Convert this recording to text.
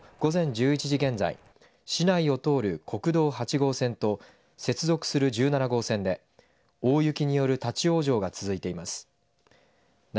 長岡市によりますと午前１１時現在市内を通る国道８号線と接続する１７号線で大雪による立往生が続いています。